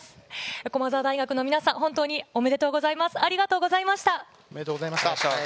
駒澤大学の皆さん、本当におめでとうございます。